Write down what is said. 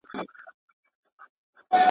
ښه اخلاق د ماشوم لپاره خورا مهم دي.